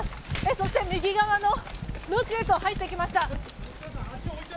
そして、右側の路地へと入っていきました。